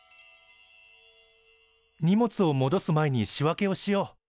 荷物をもどす前に仕分けをしよう。